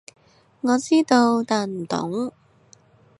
我知道，但唔懂